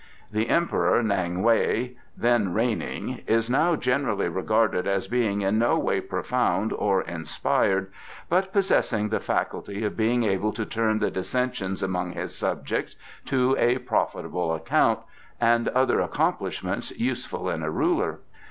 The Emperor, N'ang Wei, then reigning, is now generally regarded as being in no way profound or inspired, but possessing the faculty of being able to turn the dissensions among his subjects to a profitable account, and other accomplishments useful in a ruler.